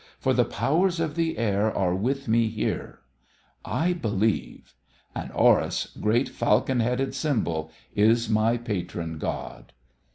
For the powers of the air are with me here. I believe. And Horus, great falcon headed symbol, is my patron god."